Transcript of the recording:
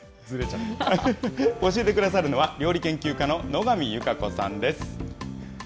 教えてくださるのは、料理研究家の野上優佳子さんです。